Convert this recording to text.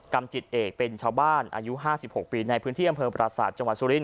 กรรมจิตเอกเป็นชาวบ้านอายุ๕๖ปีในพื้นที่อำเภอปราศาสตร์จังหวัดสุรินท